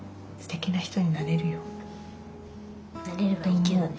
なれればいいけどね。